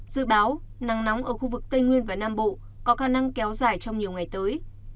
dự báo nắng nóng ở khu vực tây nguyên và nam bộ có khả năng kéo dài trong nhiều ngày tới